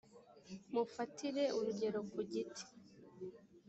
mufatire urugero ku giti